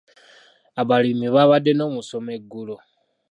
Abalimi baabadde n'omusomo eggulo.